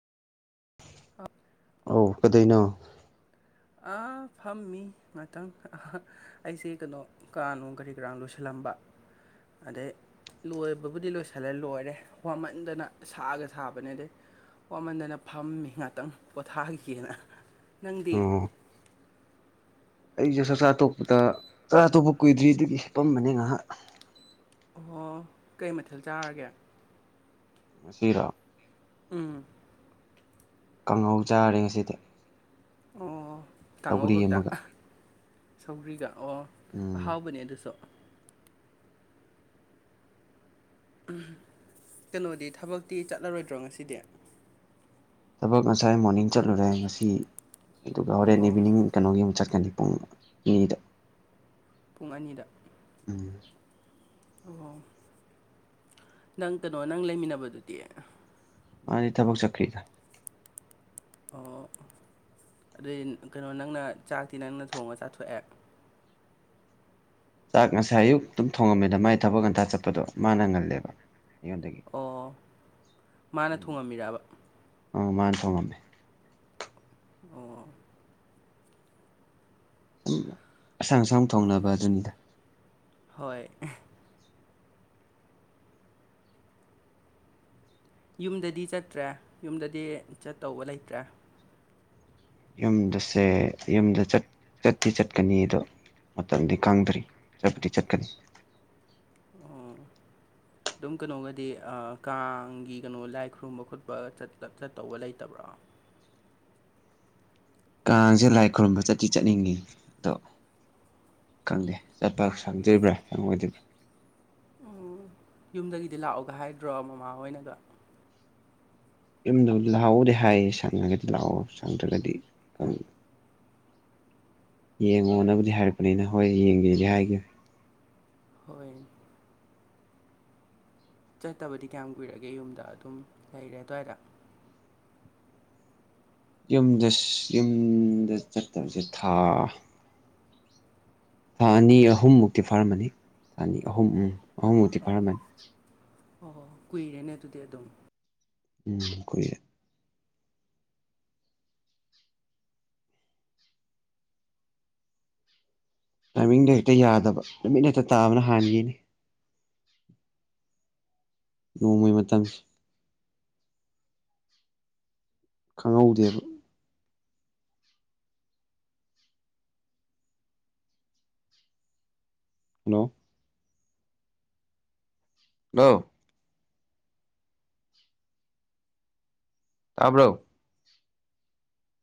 ꯑꯧ ꯀꯩꯗꯩꯅꯣ ꯑꯥ ꯐꯝꯃꯤ ꯉꯥꯇꯪ ꯑꯩꯁꯤ ꯀꯩꯅꯣ ꯀꯥꯅꯣꯡ ꯀꯔꯤ ꯀꯔꯥꯡ ꯂꯣꯏꯁꯤꯜꯂꯝꯕ ꯑꯗꯩ ꯂꯣꯏꯕꯕꯨꯗꯤ ꯂꯣꯏꯁꯤꯜꯂꯦ ꯂꯣꯏꯔꯦ ꯋꯥꯃꯟꯗꯅ ꯁꯥꯒ ꯁꯥꯕꯅꯦ ꯗꯩ ꯋꯥꯃꯟꯗꯅ ꯐꯝꯃꯤ ꯉꯥꯛꯇꯪ ꯄꯣꯊꯥꯒꯦꯅ ꯅꯪꯗꯤ ꯑꯣ ꯑꯩꯁꯨ ꯆꯥꯛꯆꯥ ꯇꯣꯄꯗ ꯆꯥꯛꯆꯥ ꯇꯣꯛꯄ ꯀꯨꯏꯗ꯭ꯔꯤ ꯑꯗꯨꯒꯤ ꯍꯤꯄꯝꯕꯅꯦ ꯉꯍꯥꯛ ꯑꯣꯍꫭ ꯀꯩ ꯃꯊꯦꯜ ꯆꯥꯔꯒꯦ ꯉꯁꯤꯔꫭ ꯎꯝ ꯀꯥꯡꯍꯧ ꯆꯥꯔꯦ ꯉꯁꯤꯗꯤ ꯑꯣ ꯀꯥꯡꯉꯧ ꯁꯧꯒ꯭ꯔꯤ ꯈꯛꯇ ꯑꯃꯒ ꯁꯧꯒ꯭ꯔꯤꯒ ꯑꯣ ꯎꯝ ꯑꯍꯥꯎꯕꯅꯦ ꯑꯗꯨꯁꯨ ꯀꯩꯅꯣꯗꯤ ꯊꯕꯛꯇꯤ ꯆꯠꯂꯔꯣꯏꯗ꯭ꯔꯣ ꯉꯁꯤꯗꯤ ꯊꯕꯛ ꯉꯁꯥꯏ ꯃꯣꫪꯅꯤꯡ ꯆꯠꯂꯨꯔꯦ ꯉꯁꯤ ꯑꯗꯨꯒ ꯍꯣꯔꯦꯟ ꯑꯣ ꯏꯚꯤꯅꯤꯡ ꯀꯩꯅꯣꯒꯤ ꯑꯃꯨꯛ ꯆꯠꯀꯅꯤ ꯄꯨꯡ ꯑꯅꯤꯗ ꯄꯨꯡ ꯑꯅꯤꯗ ꯎꯝ ꯑꯣ ꯅꯪ ꯀꯩꯅꯣ ꯅꯪ ꯂꯩꯃꯤꯟꯅꯕꯗꯨꯗꯤ ꯃꯥꯗꯤ ꯊꯕꯛ ꯆꯠꯈ꯭ꯔꯤꯗ ꯑꯣ ꯑꯗꯨꯏ ꯀꯩꯅꯣ ꯅꯪꯅ ꯆꯥꯛꯇꯤ ꯅꯪꯅ ꯊꯣꯡꯉ ꯆꯥꯊꯣꯛꯑꯦ ꯆꯥꯛ ꯉꯁꯥꯏ ꯑꯌꯨꯛꯛ ꯇꯨꯝ ꯊꯣꯡꯉꯝꯃꯦꯗ ꯃꯥꯏ ꯊꯕꯛ ꯉꯟꯇ ꯆꯠꯄꯗꯣ ꯃꯥꯅ ꯉꯜꯂꯦꯕ ꯑꯩꯉꯣꯟꯗꯒꯤ ꯑꯣ ꯃꯥꯅ ꯑꯗꯨꯝ ꯊꯣꯡꯉꯝꯃꯤꯔꯕ ꯑ ꯃꯥꯅ ꯊꯣꯡꯉꯝꯃꯦ ꯑꯣ ꯨꯁꯨꯝ ꯑꯁꯪ ꯑꯁꯪ ꯊꯣꯡꯅꯕꯗꯨꯅꯤꯗ ꯍꯣꯏ ꯌꯨꯝꯗꯗꯤ ꯆꯠꯇ꯭ꯔꯦ ꯌꯨꯝꯗꯗꯤ ꯆꯠꯇꯧꯕ ꯂꯩꯇ꯭ꯔꯦ ꯌꯨꯝꯗꯁꯦ ꯌꯨꯝꯗ ꯆꯠ ꯆꯠꯇꯤ ꯆꯠꯀꯅꯤ ꯑꯗꯣ ꯃꯇꯝꯗꯤ ꯀꯪꯗ꯭ꯔꯤ ꯆꯠꯄꯗꯤ ꯆꯠꯀꯅꯤ ꯑꯣ ꯑꯗꯨꯝ ꯀꯩꯅꯣꯒꯗꯤ ꯀꯥꯡꯒꯤ ꯀꯩꯅꯣ ꯂꯥꯏ ꯈꯨꯔꯨꯝꯕ ꯈꯣꯠꯄ ꯆꯠꯇꯧꯕ ꯂꯩꯇꯕ꯭ꯔꯣ ꯀꯥꯡꯁꯦ ꯂꯥꯏ ꯈꯨꯔꯨꯝꯕ ꯆꯠꯇꯤ ꯆꯠꯅꯤꯡꯉꯤ ꯑꯗꯣ ꯈꯪꯗꯦ ꯆꯠꯄꯥ ꯁꯪꯗ꯭ꯔꫭꯏꯕ꯭ꯔ ꯁꯪꯉꯣꯏꯗ꯭ꯔꯤꯕ ꯎꯝ ꯌꯨꯝꯗꯒꯤꯗꯤ ꯂꯥꯛꯑꯣꯒꯥ ꯍꯥꯏꯗ꯭ꯔꯣ ꯃꯃꯥꯍꯣꯏꯅꯒꯥ ꯌꯨꯝꯗꯕꯨꯗꯤ ꯂꯥꯛꯑꯣꯕꯨꯗꯤ ꯍꯥꯏꯌꯦ ꯁꯪꯉꯥꯒꯗꯤ ꯂꯥꯛꯑꯣ ꯁꯪꯗ꯭ꯔꯥꯒꯗꯤ [unintelligible] ꯎꯝ. ꯌꯦꯡꯉꯣꯅꯕꯨꯗꯤ ꯍꯥꯏꯔꯛꯄꯅꯤꯅ ꯍꯣꯏ ꯌꯦꯡꯒꯤꯗꯤ ꯍꯥꯏꯒꯤꯝ ꯍꯣꯏ ꯆꯠꯇꯥꯕꯗꯤ ꯀꯌꯥꯝ ꯀꯨꯏꯔꯒꯦ ꯌꯨꯝꯗꯥ ꯑꯗꯨꯝ ꯂꯩꯔꯦ ꯑꯗꯥꯏꯗ ꯌꯨꯝꯁꯦ ꯌꯨꯝꯗ ꯆꯠꯇꯥꯕꯁꯦ ꯊꯥ ꯊꯥ ꯑꯅꯤ ꯑꯍꯨꯝꯃꯨꯛꯇꯤ ꯐꯥꯔꯝꯃꯅꯤ ꯊꯥ ꯑꯅꯤ ꯑꯍꯨꯝ ꯎꯝ ꯑꯍꯨꯝꯃꯨꯛꯇꯤ ꯐꯥꯔꯝꯃꯅꯤ ꯀꯨꯏꯔꯦꯅ ꯑꯗꯨꯗꯤ ꯑꯗꯨꯝ ꯎꯝ ꯀꯏꯔꯦ ꯇꯥꯏꯃꯤꯡꯗꯣ ꯍꯦꯛꯇ ꯌꯥꯗꯕ ꯅꯨꯃꯤꯠ ꯍꯦꯛꯇ ꯇꯥꯕꯅ ꯍꯥꯟꯈꯤꯅꯦ ꯅꯣꯡꯃꯩ ꯃꯇꯝ ꯈꯪꯍꯧꯗꯦꯕ ꯍꯜꯂꯣ ꯍꯂꯣ ꯇꯥꯕ꯭ꯔꯣ